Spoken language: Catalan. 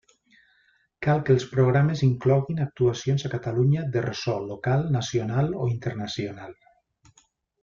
Cal que els programes incloguin actuacions a Catalunya de ressò local, nacional o internacional.